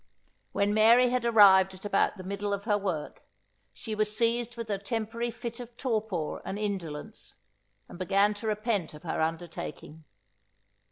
When Mary had arrived at about the middle of her work, she was seized with a temporary fit of torpor and indolence, and began to repent of her undertaking.